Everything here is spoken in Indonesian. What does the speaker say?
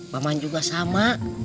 kamu juga sama